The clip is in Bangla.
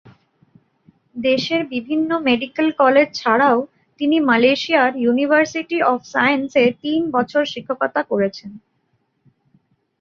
দেশের বিভিন্ন মেডিকেল কলেজ ছাড়াও তিনি মালয়েশিয়ার ইউনিভার্সিটি অব সায়েন্স এ তিন বছর শিক্ষকতা করেছেন।